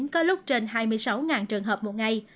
có lúc trên hai mươi sáu trường hợp một ngày